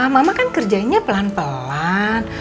mama kan kerjanya pelan pelan